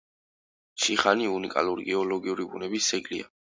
შიხანი უნიკალური გეოლოგიური ბუნების ძეგლია.